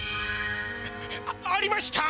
あありました！